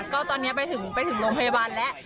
ก็ตอนนี้ไปถึงโรงพยาบาลแล้ว